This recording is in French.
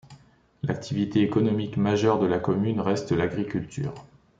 L'activité économique majeure de la commune reste l'agriculture.